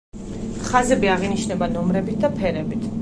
ხაზები აღინიშნება ნომრებით და ფერებით.